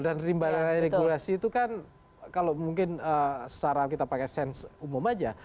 dan rimbaraya regulasi itu kan kalau mungkin secara kita pakai sense umum aja